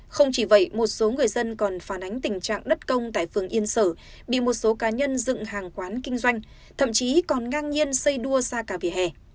không chỉ vậy một số người dân còn phản ánh tình trạng đất công tại phường yên sở bị một số cá nhân dựng hàng quán kinh doanh thậm chí còn ngang nhiên xây đua xa cả vỉa hè